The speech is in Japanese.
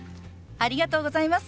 ありがとうございます。